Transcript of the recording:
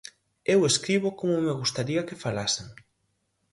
Eu escribo como me gustaría que falasen.